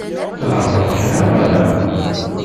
Tḍeεfeḍ-d kra, neɣ ala?